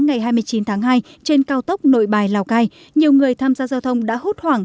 ngày hai mươi chín tháng hai trên cao tốc nội bài lào cai nhiều người tham gia giao thông đã hút hoảng